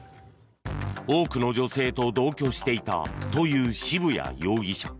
多くの女性と同居していたという渋谷容疑者。